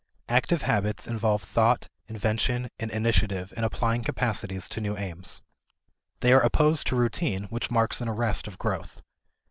Active habits involve thought, invention, and initiative in applying capacities to new aims. They are opposed to routine which marks an arrest of growth.